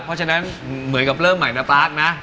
เพราะฉะนั้นเหมือนกับเริ่มใหม่นะป๊ากนะ